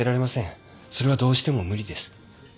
それはどうしても無理です。